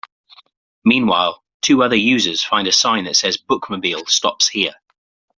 Meanwhile, two other Users find a sign that says Bookmobile Stops Here.